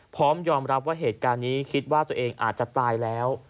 พร้อมยอมรับว่าเหตุการณ์นี้คิดว่าตัวเองอาจจะตายแล้ว